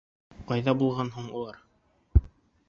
Ҡайҙа булған һуң улар?